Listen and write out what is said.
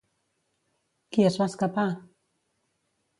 Qui es va escapar?